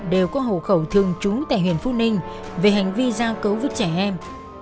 đều có hổ khẩu thương trú tại huyện phú ninh về hành vi giao cấu với trẻ em